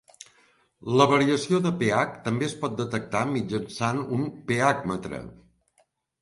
La variació de pH també es pot detectar mitjançant un pH-metre.